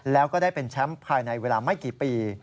แล้วก็ได้เป็นแชมป์ภายในเวลาไม่กี่ปี